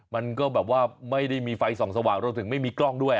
มันก็แบบว่าไม่ได้มีไฟส่องสว่างรวมถึงไม่มีกล้องด้วย